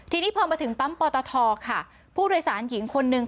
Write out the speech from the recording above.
ทีนี้พอมาถึงปั๊มปอตทค่ะผู้โดยสารหญิงคนนึง